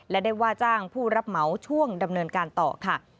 และได้ว่าจ้างผู้รับเหมาช่วงดำเนินการต่อค่ะ